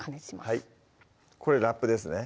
はいこれラップですね